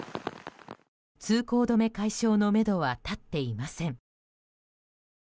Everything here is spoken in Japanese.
通行止め解消のめどは立っていません。